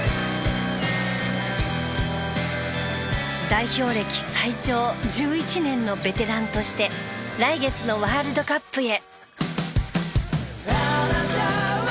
代表歴最長１１年のベテランとして来月のワールドカップへ。